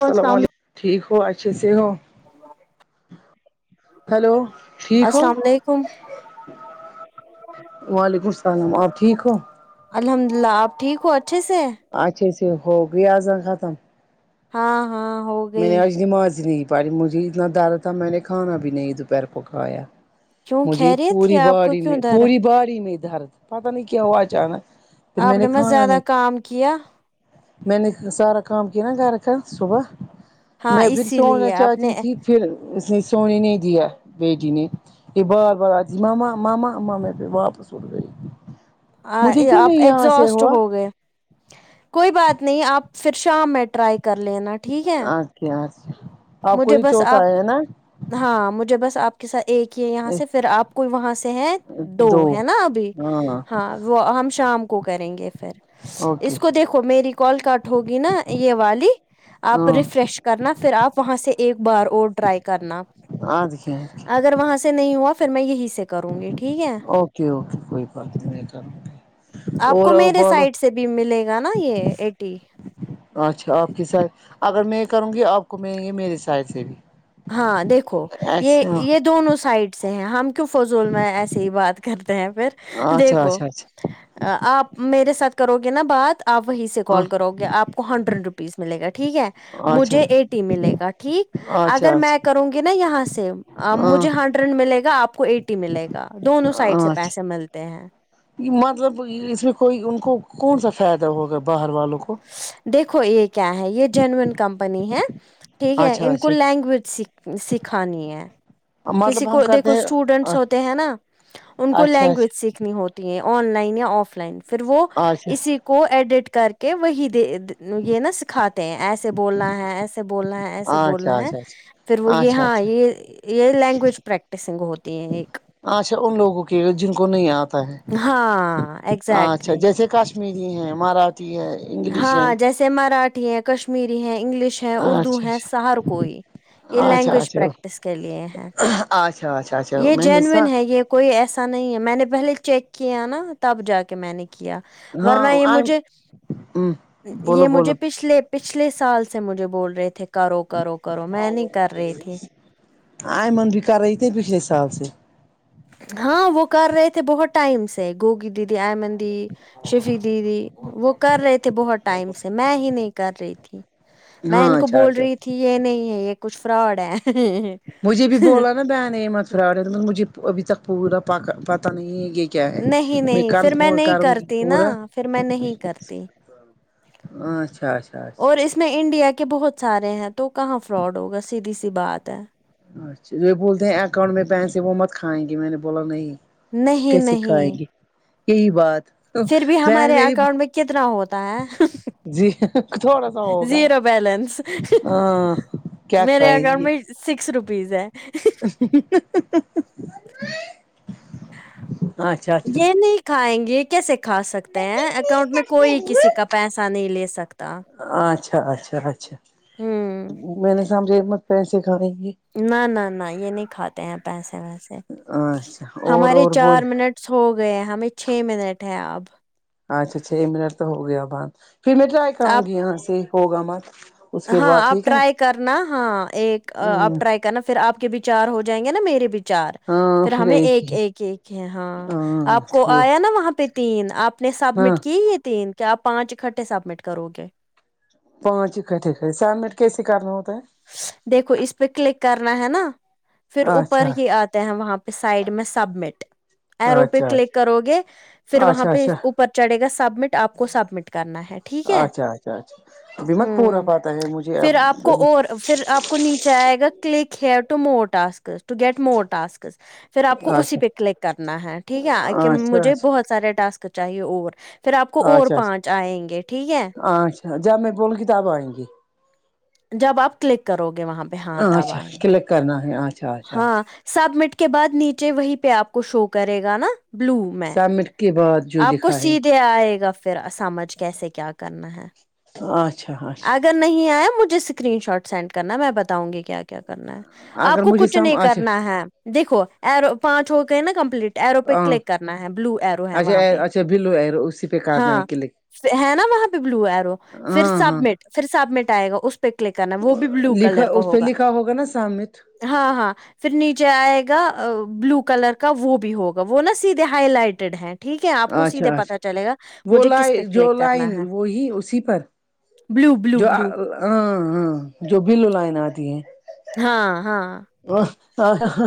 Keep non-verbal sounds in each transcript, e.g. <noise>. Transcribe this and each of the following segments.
السلام علیکم ٹھیک ہو اچھے سے ہو ہیلو ٹھیک ہو السلام علیکم وعلیکم السلام آپ ٹھیک ہو الحمد للہ آپ ٹھیک ہو اچھے سے ہے اچھے سے ہو گیا زہ ختم ہاں ہاں ہو میں نے گئی آج نمازی ہی نہیں پاڈی مجھے اتنا درد تھا میں نے کھانا بھی نہیں دوپہر کو کھایا کیوں مجھے خیریت تھی پوری آپ کو باڈی کیوں میں در پوری باڈی میں درد پتا نہیں کیا ہوا اچانک پھر آپ میں نے مس کھانا زیادہ نہیں کام کیا میں نے سارا کام کیا نہ گھر کا صبح ہاں میں پھر اسی سونا لیے آپ نے چاہتی تھی پھر اس نے سونے نہیں دیا بیٹی نے یہ بار بار آتی مما مما پ واپس اٹھ گئی ہاں مجھے یہ کیوں آپ نہیں یہاں سے ایگزوسٹ ہوا ہو گئے کوئی بات نہیں آپ پھر شام میں ٹرائی کر لینا ٹھیک ہے آج کے آج آپ کو مجھے یہ بس چوتھا آپ ہے نا ہاں مجھے بس آپ کے ساتھ ایک یہ یہاں سے پھر آپ کوئی وہاں سے ہیں دو ہے نا ابھی ہاں وہ ہم شام کو کریں گے پھر اوکے اس کو دیکھو میری کال کٹ ہوگی نا یہ والی آپ ہاں ریفریش کرنا پھر آپ وا سے ایک بار اور ٹرائی کرنا آج کے آج اگر وہاں سے نہیں ہوافھر میں یہی سے کروں گی ٹھیک ہے اوکے اوکے کوئی بات نئی کرو آپ کو اواور میرے بولو سائڈ سے بھی ملے گا نا یہ ایٹی اچھا آپ کے سات اگر میں یہ کروں گی آپ کو میں یہ میرے سائز سے بھی ہاں دیکھو یہ اچھا یہ دونوں سائڈ سے ہیں ہم کی فضول میں ایسے ہی بات کرتے ہیں پھر اچھا دیکھو اچھا اچھا آپ میرے ساتھ کرو گے نا بات آپ وہیں سے کال کرو گے آپ کو ہنڈریڈ رپیس ملے گا ٹھیک ہے اچھا مجھے ایٹی ملے گا ٹھیک اگر اچھا میں اچھا کروں گی نا یہاں سے ہاں مجھے ہنڈریڈ ملے گا آپ کو ایٹی ملے گا دونوں سائڈ سے اچھا پیسے ملتے ہیں مطلب اس میں کوئی ان کو کون سا فائدہ ہوگا باہر والوں کو دیکھو یہ کیا ہے یہ جینیوں کمپنی ہے ٹھیک ہے اچھا ان کو اچھا لینگویج سکھانی ہے کسی مطلب ہم کو کرتے دیکھو ہیں اسٹوڈینٹس ہوتے ہیں نا ان کو اچھا لینگویج سیکھ نی ہوتی ہے آن لائن یا آف لائن پھر وہ اچھا اچھا اسی کو ایڈٹ کر کہ وہی د د یہ نا سکھاتے ہیں ایسے بولنا ہے ایسے بولنا ہے ایسے بولنا اچھا اچھا ہے اچھا پھر وہ یہ اچھا ہاں اچھا یہ یہ لینگویج پریکٹسنگ ہوتی ہے اچھا ان لوگوں کے جن کو نہیں آتا ہے ہاں اچھا ایگزیکٹلی جیسے کش میری ہے مراٹھی ہے انگلش ہے سے مراٹھی ہے کشمیری ہے انگلش ہے اردو اچھا ہے ہر کوئی یہ اچھا اچھا لینگویج اچھا پریکٹس کر لیے ہیں اچھا اچھا اچھا یہ میں نے جینوین سا ہے یہ کوئی ایسا نہیں ہے میں نے پہلے چیک کیا نا تب جا کے میں نے کیا ہاں ورنہ یہ آئ مجھے ہ یہ مجھے پچھلے پچھلے سال سے مجھے بول رہے تھے کرو کرو کرو میں نہیں کر رہی تھی آئمن بھی کر رہی تھی پچھلے سال سے ہاں وہ کر رہے تھے بہت ٹائم سے گوگی دیدی ایمن دیدی شفی دیدی وہ کر رہے تھے بہت ٹائم سے میں ہی نہیں کر رہی تھی میں ہاں ان کو اچھا بول اچھا رہی تھی یہ نہیں ہے یہ کچھ فراڈ ہے مجھے بھی بولا نا بہن احمد فراڈ ہے مجھے ابھی تک پورا پا پتہ نہیں ہے یہ کیا ہے نہیں نہیں پھر میں کنفرم نہیں کروں گی کرتی نا پورا پھر میں نہیں کرتی اچھا اچھا اور اچھا اس میں انڈیا کے بہت سارے ہیں تو کہاں فراڈ ہوگا سیدھی سی بات ہے اچھا جو یہ بولتے ہیں اکاؤنٹ میں پیسے وہ مت کھائیں گے میں نے بولا نہیں نہیں کیسے نہیں کہینگے یہی بات پھر بھی بہن ہمارے میری اکاؤنٹ میں کتنا ہوتا ہے امم جی تھوڑا سا ہوگا بیلنس آ کیا میرے کھائے اکاؤنٹ گی میں سکس روپیز ہے اچھا اچھا یہ نہیں کھائیں گے یہ کیسے کھا سکتے میں اکاؤنٹ میں کوئی کسی کا پیسہ نہیں لے سکتا ہاں اچھا اچھا اچھا ہوں میرے سامنے ہمت کیسے کریگی نہ نہ نہ یہ نہیں کھاتے ہیں پیسے ویسے اچھا اور ہمارے اور بول چار منٹ ہو گئے ہیں ہمیں چھ منٹ ہے آب اچھا چھ منٹ تو ہو گیا باند پھر میں ٹرائی کروں آپ گی یہاں سے ہوگا مت اس کے ہاں بعد آپ ٹھیک ہے ٹرائی کرنا ہاں ایک ہ آپ ٹرائی نا پھر آپ کے بھی چار ہو جائینگے نا میرے بھی چار پھر ہمیں ایک ایک ایک ہے ہاں آپ کو آیا نا وہاں پہ تین آپ نے ہاں سبمٹ کی یہ تین کہ آپ پانچ اکٹھے سبمٹ کرو گے پانچ اکھٹے تھے سبمٹ کیسے کرنا ہو تا ہے دیکھو اس پہ کلک کرنا ہے نا پھر ہے اچھا اوپر ہی آتے ہیں وہاں پہ سائڈ میں سبمٹ ایرو پہ اچھا کلک کرو گے پھر وہاں اچھا اچھا پہ اچھا اوپر پر چڑھے گا سبمٹ آپ کو سبمٹ کرنا ہے ٹھیک ہے اچھا اچھا اچھا ابھی مت پورا ہوں پاتا ہے مجھے اب پھر آپ کو اور پھر آپ کو نیچے آئے گا click here to more tasks to get more tasks پھر آپ کو اسی اچھا پہ کلک کرنا ہے ٹھیک ہے کہ اچھا اچھا مجھے بہت سارے ٹاسک چاہیے اور پھر آپ کو اور اچھا پانچ آئیں گے ٹھیک ہے اچھا اچھا جب میں بول کتاب آئیں گی جب آپ کلک کرو گے وہاں پہ ہاں تب اچھا آئیں گے کلک کرنا ہے اچ ہاں سب مٹ کے بعد نیچے وہیں پہ آپ کو شو کرے گا نا بلو میں سبمٹ کے بعد جو آپ کو لکھا ہے سیدھے آئے گا پھر سمجھ کیسے کیا کرنا ہے ہاں اچھا اچھا اگر نہیں آیا مجھے اسکرین شاٹ سینڈ کرنا ہے میں بتاؤں گی کیا کیا کرنا ہے آپ اگر کو مجھے کچھ سم نہیں اچھا کرنا ہے دیکھو ایر پانچ ہو کے نا کمپلیٹ ایرو پہ ہاں کلک کرنا ہے بلو ایرو ہے اچھا وہاں پہ اچھا بلو ایر اسی پہ کرنا ہے ہاں کلک ہے نا وہاں پہ بلو ایرو پھر ہاں ہاں سب مٹ پھر سب مٹ آئے گا اس پے کلک کرنا وہ بھی بلو لکھا کلر کا اس پہ ہوگا لکھا نا سامت ہاں ہاں پھر نیچے آئے گا بلو کلر کا وہ بھی ہوگا وہ نا سیدھے ہائی لائٹیڈ ہے ٹھیک ہے آپ کو سیدھے اچھا اچھا پتا چلے گا وہ مجھے کس لائ پہ جو کلک کرنا لائن ہے وہی اسی پر بلو بلو جو آ بلو ہاں جو بلو لائن آتی ہیں ہاں ہاں ا آہ ہ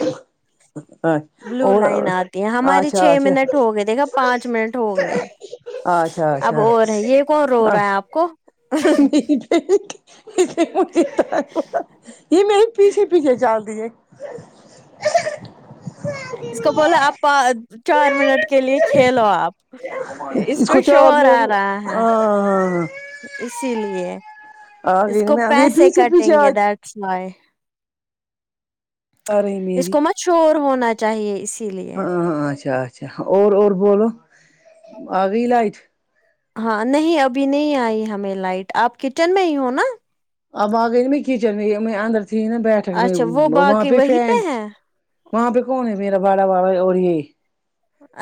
ہ <unintelligible> بلو لائن آتی ہے ہماری اچھا چھ اچھا منٹ ہو گئے دیکھا پانچ منٹ ہو گئے اچھا اب اچھا اور ہے یہ کون رو رہا ہے آپ کو <unintelligible> یہ میرے پیچھے پیچھے چل دیے اس کو بولا آپ چار منٹ کے لیے ہے کھیلو آپ اس کا کو چار شوہر آ منٹ رہا ہے ہاں اسی لیے آ اس گئی کو نا میں یہ پیسے پیچھے پیچھے کٹیں آ گے ڈیٹس وائی اور ہے اس میری کو مت شور ہونا چاہیے اس ہاں ہاں اچھا اچھا اور اور بولو آ گئی لائٹ ہاں نہیں ابھی نہیں آئی ہمیں لائٹ آپ کچن میں ہی ہو نا آب آ گئی نا میں کچن میں اندر تھی نا بیٹھک میں اچھا وہ وہاں باقی پے وہیں فینچ پہ ہے وہاں پہ کون ہے میرا بڑا والا اور یہ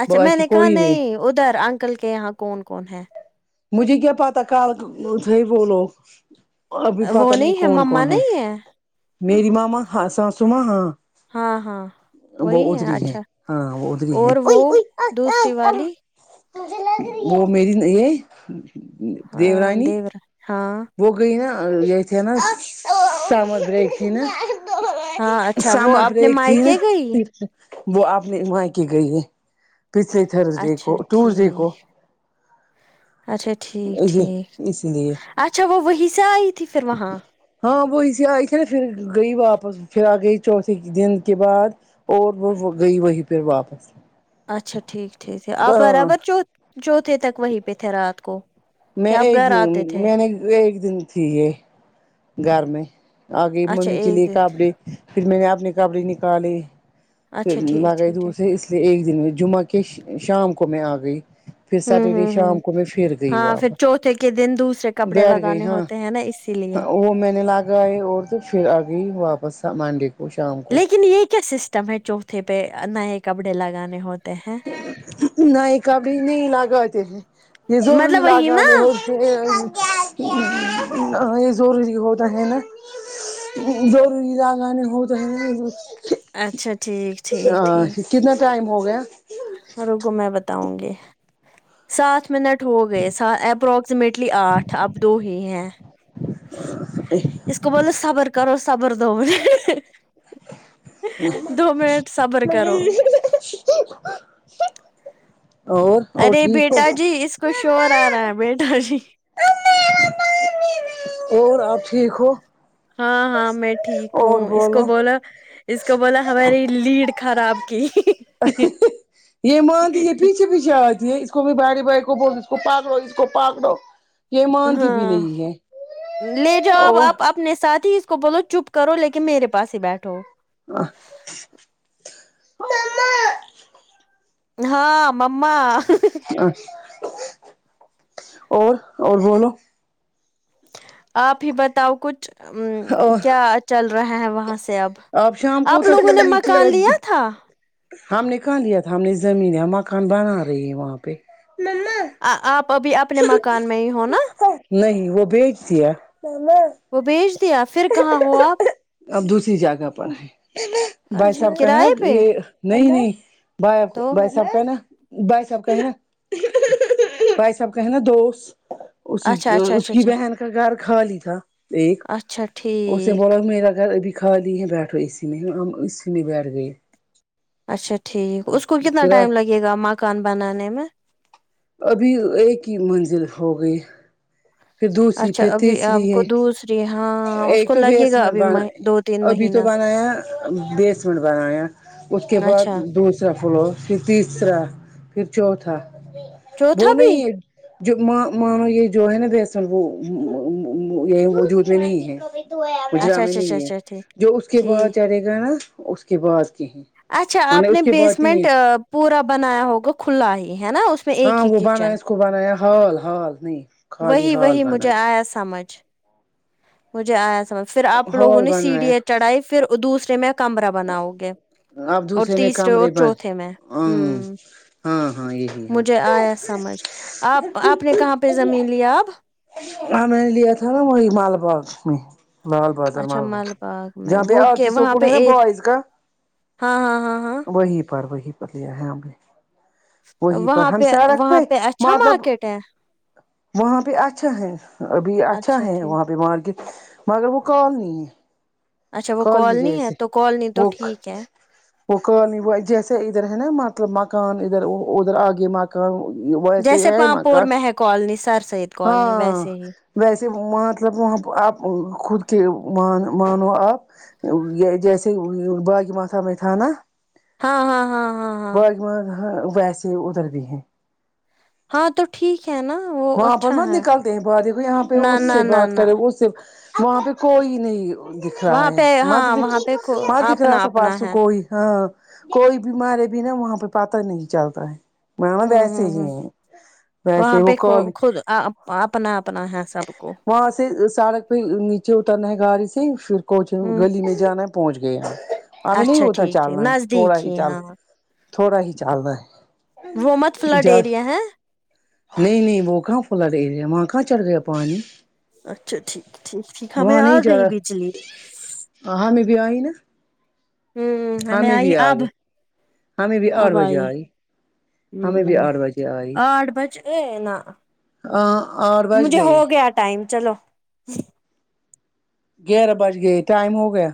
اچھا میں باقی نے کہا کوئی نہیں ادھر انکل کے یہاں کون کون ہے مجھے کیا پتا کال تھے وہ لوگ ابھی پتا وہ نہیں ہے کون مما کون ہے نہیں میری ماما ہاں ساسو ماں ہاں ہاں ہاں وہ وہی ہے ادھری اچھا ہاں وہ ادھری اور وہ دوسری والی مجھے لگ رہی ہے وہ میری نئی ائی ہاں دیورانی دیور ہاں وہ گیی نا یہ تھےنا سمر بریک تھی نا ہاں اچھا وہ سامر اپنے بریک تھی نہ مائکے گئی وہ اپ نے مایکے گئی ہے پچھلے تھرزڈے کو اچھا ٹیوزڈے کو ٹھیک اچھا ٹھیک جی ٹھیک اسی لیے اچھا وہ وہیں سے آئی تھی پھر وہاں ہاں وہی سے آئی تھی نا پھر گئی واپس پھر آ گئی چوتھے دن کے بعد اور وہ وہ گئی وہی پھر واپس اچھا ٹھیک ٹھیک ہے آپ ہاں برابر چو چوتھے تک وہیں پہ تھے رات کو میں کیا آپ ایک گھر دن آتے تھے میں نے ایک دن تھی یہ گھر میں آگیی اچھا ممی کے ایک لیے دن کپڑے پھر میں نے اپنے کپڑے نکالے پھر اچھا ٹھیک لگئی ٹھیک دور ٹھیک سے اس لیے ایک دن میں جمعہ کےشا شام کو میں آ گئی پھر ہوں سٹرڈے ہوں ہوں شام کو میں پھر گئی ہاں پھر واپس چوتھے کے دن دوسرے کپڑے بیٹھ گئی لگانے ہاں ہوتے ہیں نہ اسی لئے وہ میں نے لگائی اور تو پھر ابھی واپس مانڈی لیکن یہ کیا سسٹم ہے چوتھے پہ نئے کپڑے لگانے ہو نہیں کبھی نہیں لگاتے ہیں یہ ضروری مطلب وہی نا لگانے ہو یہ یہ ضروری ہوتا ہے نا ضروری لگانے ہوتے ہیں اچھا ٹھیک ٹھیک ٹھیک کتنا ٹائم ہو گیا اور رکو میں بتا ونگی سات منٹ ہو گئےسہ اپروکسیمیٹلی آٹھ اب دو ہی ہیں اس اس کو بولو صبر کرو صبر دو دو منٹ صبر کرو <unintelligible> اور اور ٹھیک ہو کچھ شور آ رہا ہے بیٹا جی اور آپ ٹھیک ہو ہاں ہاں میں ٹھیک اور ہوں اس کو بولو بولا اس کو بولا ہماری لیڈ خراب کی یہ مانتی پیچھے پیچھے آرہی یہ اسکو بھی بڑے بھائی بول اس کو پکڑو اسکو پکڑو یہ مانتی بھی ہاں نہیں ہے لے جاؤ اب اور آپ اپنے ساتھ ہی اس کو بولو چپ کرو لیکن میرے پاس ہی بیٹھو آ مما ہاں مما اچ اور اور بولو آپ ہی بتاؤ کچھ ام اور کیا چل رہا ہے وہاں سے اب آپ شام کو آپ اتر کے لوگوں نے نیچے مکان لیا تھا ہم نے کہاں لیا تھا ہم نے زمین ہے مکان بنا رہی ہے وہاں پہ مما آ آپ ابھی اپنے مکان میں ہی ہو نا نہیں وہ بیچ دیا او بیچ دیا پھر کہاں ہو آپ اب دوسری جگہ پر ہے بھائی اچھا صاحب کا ہے نا کرائے پہ یہ نہیں نہیں بھائی تو بھیا سب کہنا بھائی صاحب کہنا بھائی صاحب کہنا دوست اسی اچھا اچھا اس اچھا کی اچھا بہن کا گھر خالی تھا ایک چھٹھ اس نے بولا میرا گھر ابھی خالی ہے بیٹھو اسی میں ہم اسی میں بیٹھ گئے اچھا ٹھیک اس کو کتنا کرا ٹائم لگے گا مکان بنانے میں ابھی ایک ہی منزل ہو گئی پھر دوسری اچھا پھر ابھی آپ تیسری کو ہے دوسری ہاں اس ایک کو تو لگے گا بیسمٹ ابھی مہ بنا ابھی تو مہینہ بنایا بیسیمٹ بنایا اس کے بعد اچھا دوسرا فلور پھر تیسرا پھر چوتھا دو چوتھا ہی بھی ہے جو مانو یہ جو ہے نا اصل وہ۔ وہ۔ وہ یہ وجود میں نہیں ہے اچھا جامیں اچھا اچھا نہیں ہے اچھا ٹھیک جو اس کے بعد ٹھیک چلے گا نا اس کے بعد کے ہے اچھا آپ نے بیسمنٹ پورا بنایا ہوگا کھلا ہی ہے نا اس میں ہاں ایک ہی وہ بنا کچن ہے اس کو بنایا ہال ہال ہی وہی وہی مجھے آیا سمجھ مجھے آیا سمجھ پھر آپ لوگوں ہال نے سیڑھیاں بنایا چڑھائی پھر دوسرے میں کمرہ بناؤ گے آپ اور دوسرے میں تیسرے اور کمرے بن چوتھے میں ہ ہوں ہاں ہاں یہی ہاں مجھے آیا سمجھ آپ آپ نے کہاں پہ زمین لیا اب ہم نے لیا تھا نا وہی مال باغ میں لال بازار اچھا مال ب مل باغ میں جہاں پہ وہ آ کہ وہاں اسکول پہ ہے نا ا بوائز کا ہاں ہاں ہاں ہاں وہی پر وہی پر لیا ہے ہم نے وہی پر وہاں ہم پہ سڑک وہاں پہ اچھا مطلب مارکیٹ ہے وہاں پہ اچھا ہے ابھی اچھا ہے وہاں پہ مارکیٹ مگر وہ کالونی ہے اچھا وہ کالنی ہے تو کالنی تو وہ ٹھیک ہے وہ کالنی جیسے ادھر ہے نا مطلب مکان ادھر ادھر آگے م کا ویسے آ مکان کالنی سر سے ہاں ویسے مطلب وہاں آپ خود کے مان مانو آپ جیسے باغ ماتا میں تھا نا ہاں ہاں ہاں ہاں ہاں ونہ ویسے ادھر بھی ہیں ہاں تو ٹھیک ہے نا وہ وہاں پر اچھا مت ہے نکلتے ہیں باہر کو یہاں پہ نہ اس نہ سے نہ بات نہ کریں اس سے وہاں پہ کوئی نہیں دکھ رہا وہاں ہے پہ مت ہاں د وہاں پہ ہاں دکھ رہا اپنا تھا اپنا پارسو ہے کوئی ہاں کوئی بیمار ر ہے بی نا وہاں پہ پتہ نہیں چلتا ہے وہاں ہ ویسے ہی ہیں ویسے وہ کو کال خود ا اپنا اپنا ہے سب کو وہاں سے سڑک پہ نیچے اترنا ہے گاڑی سے پھر کونچ ہ گلی میں جانا ہے پہنچ گئے ہیں اب نہیں اچھا ہوتا ٹھیک ٹھیک چلنا تھوڑا نزدیک ہی چل ہاں تھوڑا ہی چلنا وہ مت ہے فلڈ جس ایریا ہے نہیں نہیں وہ کہاں فلڈ ایریا وہاں کہاں چڑھ گیا پانی اچھا ٹھیک ٹھیک ٹھیک ہمیں آ گئی بجلی آ ہمیں بھی آئی نا ہوں ہمیں آئی بھی آ اب گئے ہمیں بھی آٹھ اب بجے آئی ہمیں بھی ہوں آٹھ بجے آئی آٹھ بج گۓ نا ہاں آٹھ بج مجھے گئے ہو گیا ٹائم چلو گیارہ بج گئے ٹائم ہو گیا